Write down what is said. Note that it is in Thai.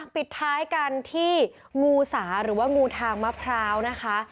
ปิดท้ายกันที่งูสาหรือว่างูทางมะพร้าวนะคะ